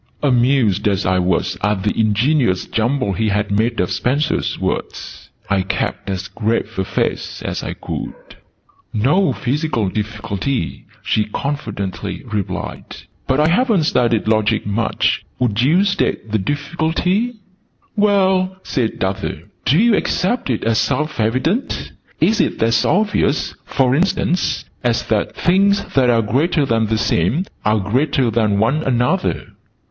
Amused as I was at the ingenious jumble he had made of Spencer's words, I kept as grave a face as I could. "No physical difficulty," she confidently replied: "but I haven't studied Logic much. Would you state the difficulty?" "Well," said Arthur, "do you accept it as self evident? Is it as obvious, for instance, as that 'things that are greater than the same are greater than one another'?"